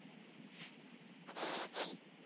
هغه غوښتل له مورګان سره کاروبار پیل کړي